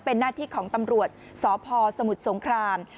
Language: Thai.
เป็นหน้าที่ของตำรวจสพสมุทรสงคราม